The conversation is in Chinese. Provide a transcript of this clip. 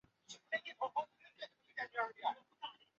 格罗赛布斯塔特是德国巴伐利亚州的一个市镇。